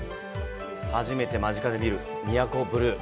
初めて間近で見る“宮古ブルー”。